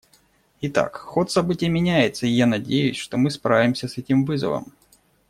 Итак, ход событий меняется, и я надеюсь, что мы справимся с этим вызовом.